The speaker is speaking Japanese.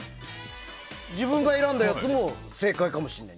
自分が選んだやつも正解かもしれない。